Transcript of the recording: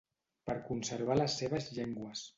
per conservar les seves llengües